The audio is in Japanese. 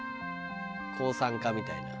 抗酸化みたいな。